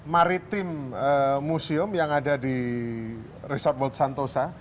maritim museum yang ada di resort bold santosa